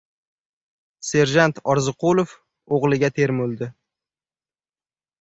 Serjant Orziqulov o‘g‘liga termuldi.